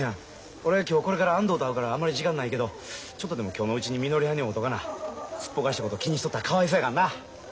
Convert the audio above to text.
俺今日これから安藤と会うからあまり時間ないけどちょっとでも今日のうちにみのりはんに会うとかなすっぽかしたこと気にしとったらかわいそうやかんな！